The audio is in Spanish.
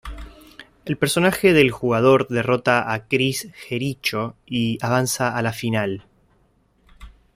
El personaje del jugador derrota a Chris Jericho y avanza a la final.